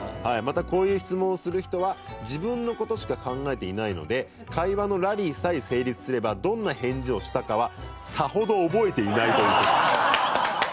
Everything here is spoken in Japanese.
またこういう質問をする人は自分の事しか考えていないので会話のラリーさえ成立すればどんな返事をしたかはさほど覚えていないという事です。